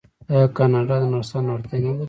آیا کاناډا د نرسانو اړتیا نلري؟